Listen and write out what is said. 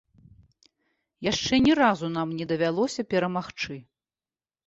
Яшчэ ні разу нам не давялося перамагчы.